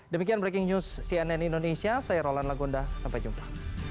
demikian breaking news cnn indonesia saya rolan lagonda sampai jumpa